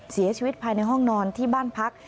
เสียชีวิตภายในห้องนอนที่บ้านพัก